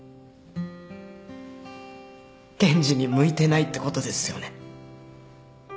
検事に向いてないってことですよね？